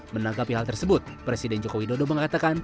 menanggapi hal tersebut presiden jokowi dodo mengatakan